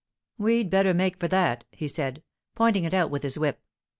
'We'd better make for that,' he said, pointing it out with his whip.